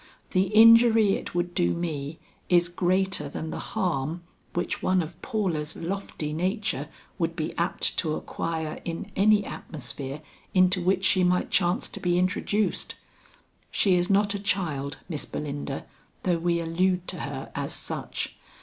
The injury it would do me is greater than the harm, which one of Paula's lofty nature would be apt to acquire in any atmosphere into which she might chance to be introduced. She is not a child, Miss Belinda, though we allude to her as such.